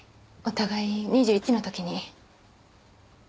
お互い２１の時に。